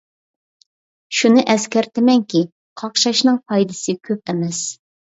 شۇنى ئەسكەرتىمەنكى، قاقشاشنىڭ پايدىسى كۆپ ئەمەس.